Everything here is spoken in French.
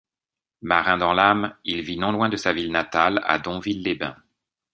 Marin dans l'âme, il vit non loin de sa ville natale, à Donville-les-Bains.